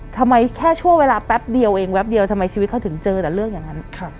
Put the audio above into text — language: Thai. แค่ช่วงเวลาแป๊บเดียวเองแป๊บเดียวทำไมชีวิตเขาถึงเจอแต่เรื่องอย่างนั้น